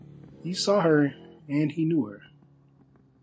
He saw her and he knew her.